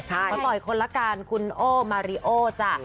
ขอต่ออีกคนละกันคุณโอมาริโอจ้ะ